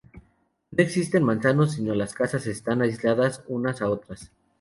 No existen manzanos, sino las casas están aisladas unas a otras.